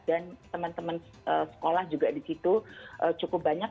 dan teman teman sekolah juga disitu cukup banyak